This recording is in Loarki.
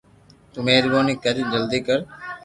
تو مھربوني ڪرين جلدي ڪر